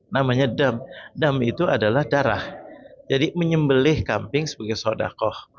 namanya dam itu adalah darah jadi menyembelih kambing sebagai sodakoh